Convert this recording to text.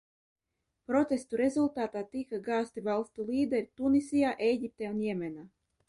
Protestu rezultātā tika gāzti valstu līderi Tunisijā, Ēģiptē un Jemenā.